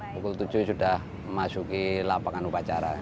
pukul tujuh sudah memasuki lapangan upacara